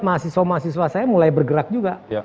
mahasiswa mahasiswa saya mulai bergerak juga